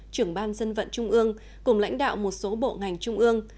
trưởng ban dân vận trung ương cùng lãnh đạo một số bộ ngành trung ương